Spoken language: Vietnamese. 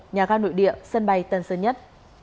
nhà ga nội địa sân bay tân sơn nhất